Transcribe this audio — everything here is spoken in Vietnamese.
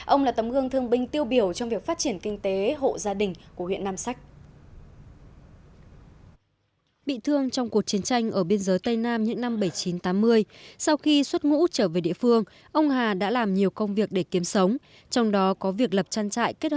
ông là tấm gương thương binh tiêu biểu trong việc phát triển kinh tế hộ gia đình của huyện nam sách